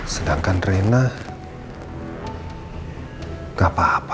sedangkan reina gak apa apa tuh ke sekolah